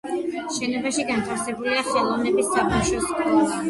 შენობაში განთავსებულია ხელოვნების საბავშვო სკოლა.